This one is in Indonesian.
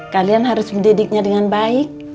kalian harus mendidiknya dengan baik